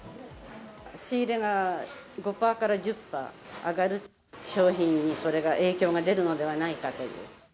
仕入れが５パーから１０パー上がると、商品にそれが影響が出るのではないかという。